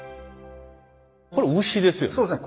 これウシですよね？